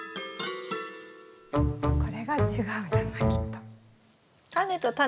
これが違うんだなきっと。